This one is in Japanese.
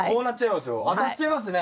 当たっちゃいますね。